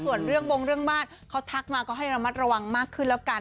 ส่วนเรื่องบงเรื่องบ้านเขาทักมาก็ให้ระมัดระวังมากขึ้นแล้วกัน